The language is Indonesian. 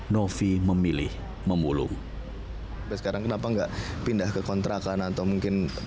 novi memilih memulung